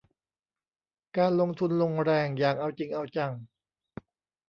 การลงทุนลงแรงอย่างเอาจริงเอาจัง